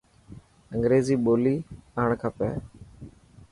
انگريزي ٻولي آڻ کپي.